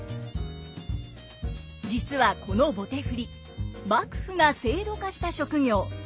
実はこの棒手振幕府が制度化した職業。